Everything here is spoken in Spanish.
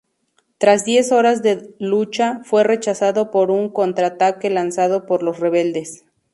Tras diez horas de lucha fue rechazado por un contraataque lanzado por los rebeldes.